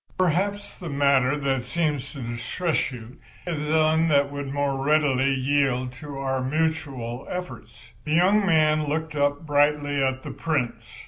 Perhaps the matter that seems to distress you is one that would more readily yield to our mutual efforts." The young man looked up brightly at the Prince.